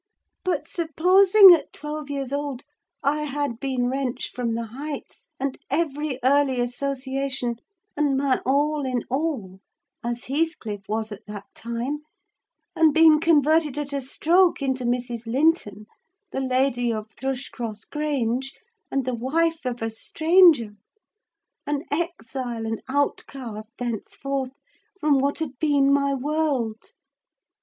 But, supposing at twelve years old I had been wrenched from the Heights, and every early association, and my all in all, as Heathcliff was at that time, and been converted at a stroke into Mrs. Linton, the lady of Thrushcross Grange, and the wife of a stranger: an exile, and outcast, thenceforth, from what had been my world.